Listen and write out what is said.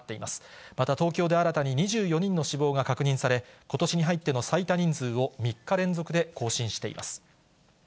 また東京で新たに２４人の死亡が確認され、ことしに入っての最多人数を３日連続で更新しています。